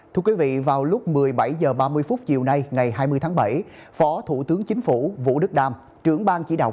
thưa quý vị vào lúc một mươi bảy h ba mươi chiều nay ngày hai mươi tháng bảy phó thủ tướng chính phủ vũ đức đam trưởng ban chỉ đạo